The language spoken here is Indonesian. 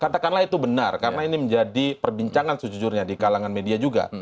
katakanlah itu benar karena ini menjadi perbincangan sejujurnya di kalangan media juga